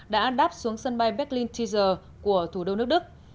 đã đáp xuống sân bay berlin tiser của thủ đô nước đức